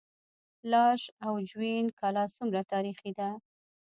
لاش او جوین کلا څومره تاریخي ده؟